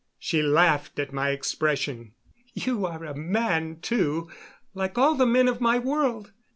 She laughed at my expression. "You are a man, too like all the men of my world.